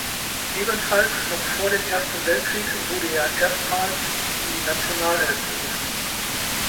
Ebenfalls noch vor dem Ersten Weltkrieg wurde er erstmals in die Nationalelf berufen.